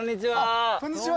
こんにちは。